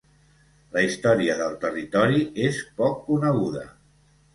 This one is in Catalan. La història del territori és poc coneguda.